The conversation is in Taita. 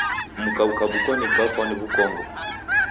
Mka ukabuka gafwa ni w'ukongo?